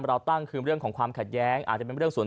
เราตั้งคือเรื่องของความขัดแย้งอาจจะเป็นเรื่องส่วน